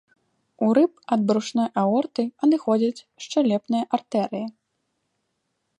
У рыб ад брушной аорты, адыходзяць шчэлепныя артэрыі.